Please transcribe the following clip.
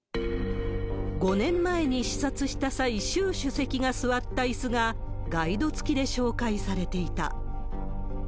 ５年前に視察した際、習主席が座ったいすが、ガイドつきで紹介されていた。